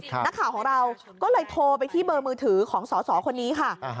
นักข่าวของเราก็เลยโทรไปที่เบอร์มือถือของสอสอคนนี้ค่ะ